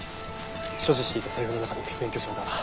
所持していた財布の中に免許証が。